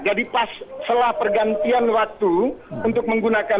jadi pas setelah pergantian waktu untuk menggunakan gedung